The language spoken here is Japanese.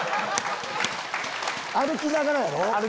歩きながらやろ。